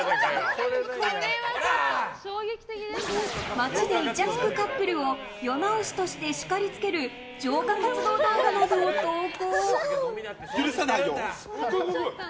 街でイチャつくカップルを世直しとして叱りつける浄化活動動画などを投稿。